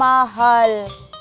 diri jual mahal